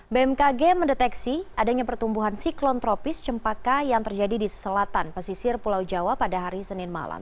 bmkg mendeteksi adanya pertumbuhan siklon tropis cempaka yang terjadi di selatan pesisir pulau jawa pada hari senin malam